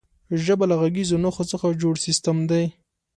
ژبه له غږیزو نښو څخه جوړ سیستم دی.